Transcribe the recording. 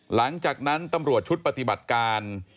หลังจากนั้นตำรวจชุดปฏิบัติการ